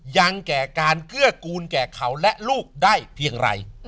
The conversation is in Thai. ยังแก่การเกื้อกูลแก่เขาและลูกได้เพียงไร